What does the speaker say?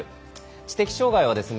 知的障がいはですね